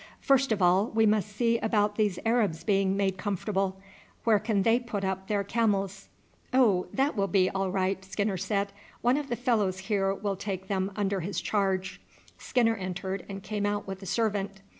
"First of all we must see about these Arabs being made comfortable. Where can they put up their camels?" "Oh! that will be all right," Skinner said; "one of the fellows here will take them under his charge." Skinner entered and came out with a servant.